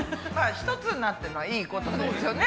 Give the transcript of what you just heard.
一つになってるのはいいことですよね。